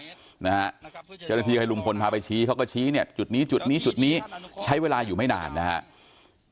เจ้าหน้าที่ให้ลุงพลพาไปชี้เขาก็ชี้เนี่ยจุดนี้จุดนี้จุดนี้ใช้เวลาอยู่ไม่นานนะครับ